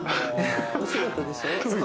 お仕事でしょ。